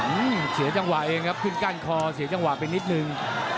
อืมเสียจังหวะเองครับขึ้นก้านคอเสียจังหวะไปนิดนึง